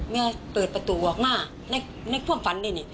แม่เปิดประตูออกมาในความฝันนี่นี่